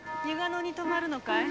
野に泊まるのかい？